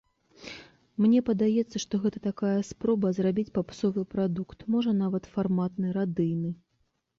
Мне падаецца, што гэта такая спроба зрабіць папсовы прадукт, можа, нават, фарматны, радыйны.